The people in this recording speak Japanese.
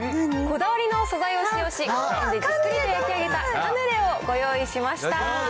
こだわりの素材を使用し、じっくりと焼き上げたを入れたカヌレをご用意しました。